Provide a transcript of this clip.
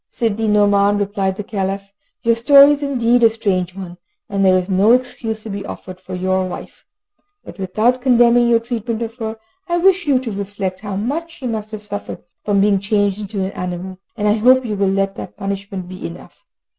"Sidi Nouman," replied the Caliph, "your story is indeed a strange one, and there is no excuse to be offered for your wife. But, without condemning your treatment of her, I wish you to reflect how much she must suffer from being changed into an animal, and I hope you will let that punishment be enough.